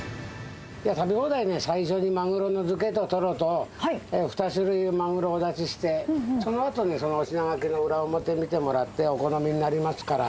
食べ放題ね、最初にマグロの漬けとトロと２種類のマグロをお出しして、そのあと、お品書きの裏表見てもらって、お好みになりますから。